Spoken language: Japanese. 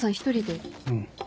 うん。